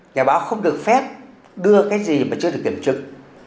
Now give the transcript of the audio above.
nhà báo không được phép đưa cái gì mà chưa được kiểm chứng